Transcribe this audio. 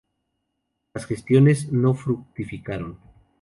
Las gestiones no fructificaron.